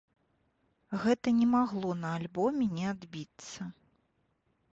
Гэта не магло на альбоме не адбіцца.